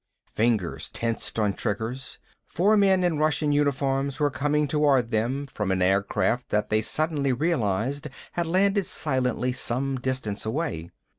Fingers tensed on triggers. Four men in Russian uniforms were coming toward them from an aircraft that they suddenly realized had landed silently some distance away.